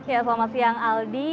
ya selamat siang aldi